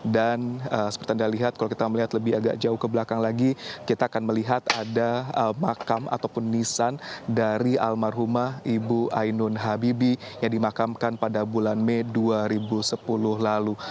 dan seperti anda lihat kalau kita melihat lebih agak jauh ke belakang lagi kita akan melihat ada makam ataupun nisan dari almarhumah ibu ainun habibi yang dimakamkan pada bulan mei dua ribu sepuluh lalu